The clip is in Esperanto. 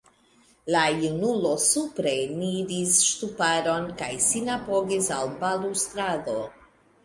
La junulo supreniris ŝtuparon, kaj sin apogis al balustrado.